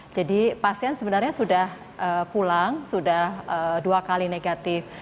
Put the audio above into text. jadi pasien sebenarnya sudah pulang sudah dua kali negatif